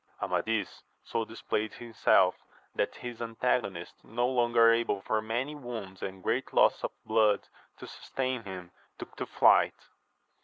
Amadis so displayed himself, that his antagonists, no longer able for many wounds and great loss of blood to sustain him, took to flight.